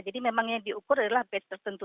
jadi memang yang diukur adalah batch tertentu